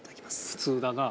普通だな。